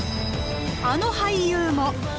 あの俳優も！